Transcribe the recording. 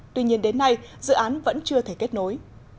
tuy nhiên đến nay dự án vẫn chưa thể kết nối